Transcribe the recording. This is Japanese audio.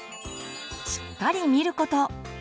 しっかり見ること。